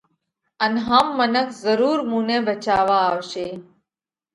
ان هم منک ضرُور مُون نئہ ڀچاوا آوشي۔